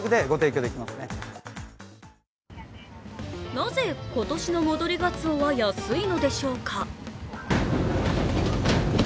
なぜ、今年の戻りがつおは安いのでしょうか？